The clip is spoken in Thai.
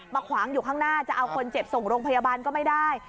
ขวางอยู่ข้างหน้าจะเอาคนเจ็บส่งโรงพยาบาลก็ไม่ได้